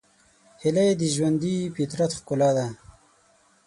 هیلۍ د ژوندي فطرت ښکلا ده